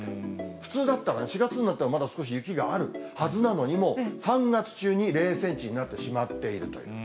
普通だったら４月になってもまだ少し雪があるはずなのに、もう３月中に０センチになってしまっているという。